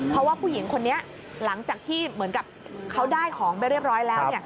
เพราะว่าผู้หญิงคนนี้หลังจากที่เหมือนกับเขาได้ของไปเรียบร้อยแล้ว